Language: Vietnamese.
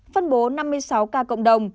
phân bố năm mươi sáu ca cộng đồng